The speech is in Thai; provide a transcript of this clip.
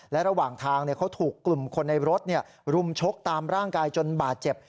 และระหว่างทางเขาถูกกลุ่มคนในรถรุมชกตามร่างกายจนบาดเจ็บ